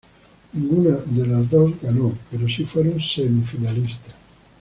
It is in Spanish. Ninguna de las dos ganó, pero si fueron semi-finalistas.